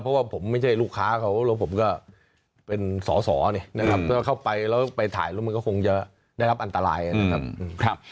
เพราะว่าผมไม่ใช่ลูกค้าเขาแล้วผมก็เป็นสอสอนี่นะครับถ้าเข้าไปแล้วไปถ่ายแล้วมันก็คงจะได้รับอันตรายนะครับ